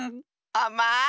あまい！